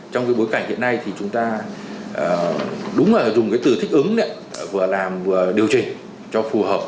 trong cái bối cảnh hiện nay thì chúng ta đúng là dùng cái từ thích ứng vừa làm vừa điều chỉnh cho phù hợp